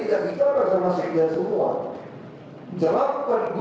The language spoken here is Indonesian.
kalau perjanjian ini menjadi batal